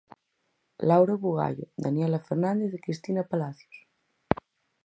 Laura Bugallo, Daniela Fernández e Cristina Palacios.